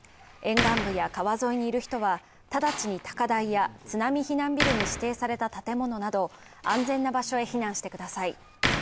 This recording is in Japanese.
沿岸部や川沿いにいる人は直ちに高台や津波避難ビルに指定された建物など安全な場所へ避難してください。